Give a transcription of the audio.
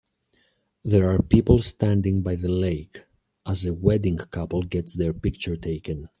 There are people standing by the lake, as a wedding couple gets their picture taken.